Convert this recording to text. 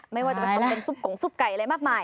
ไม่ว่าต้องเป็นสุบก๋องสุบไก่อะไรมากมาย